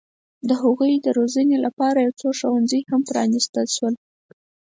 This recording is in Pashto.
د هغوی د روزنې لپاره یو څو ښوونځي هم پرانستل شول.